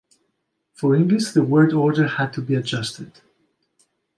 For English the word order had to be adjusted.